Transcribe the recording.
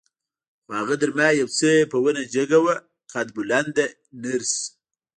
خو هغه تر ما یو څه په ونه جګه وه، قد بلنده نرس.